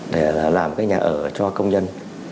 để làm cái nhà ở cho công dân